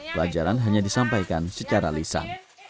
pelajaran hanya disampaikan secara lisan